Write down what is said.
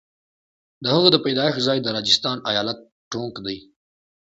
د هغه د پیدایښت ځای د راجستان ایالت ټونک دی.